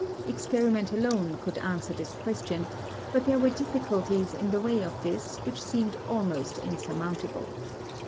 Experiment alone could answer this question, but there were difficulties in the way of this which seemed almost insurmountable.